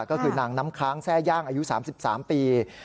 ก็คือนางน้ำค้างแทร่ย่างอายุ๓๓ปี